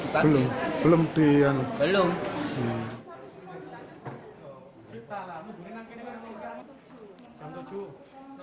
sabah siang mama kumohon merenggari choco